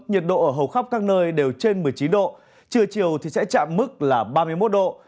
nhiệt độ ở hầu khắp các nơi đều trên một mươi chín độ trưa chiều thì sẽ chạm mức là ba mươi một độ